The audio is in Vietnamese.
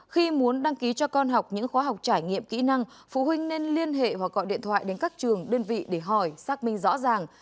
khi muốn đăng ký cho con học những khóa học trải nghiệm kỹ năng phụ huynh nên liên hệ hoặc gọi điện thoại đến các trường đơn vị để hỏi xác minh rõ ràng